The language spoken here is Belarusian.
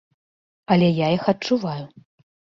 Але я іх адчуваю.